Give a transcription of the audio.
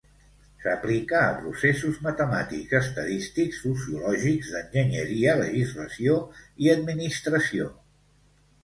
S'aplica a processos matemàtics, estadístics, sociològics, d'enginyeria, legislació i administració.